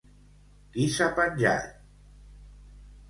Qui s'ha penjat!